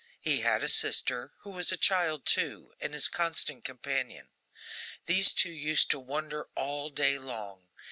He had a sister, who was a child too, and his constant companion. These two used to wonder all day long.